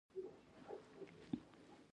آیا رسنۍ له اعلاناتو پیسې ګټي؟